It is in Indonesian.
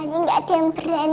tidak ada yang berani